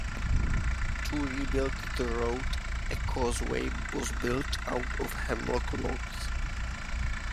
To re-build the road, a causeway was built out of hemlock logs.